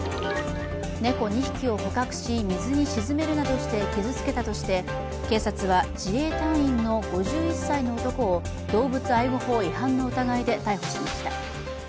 猫２匹を捕獲して水に沈めるなどして傷つけたとして、警察は自衛隊員の５１歳の男を動物愛護法違反の疑いで逮捕しました。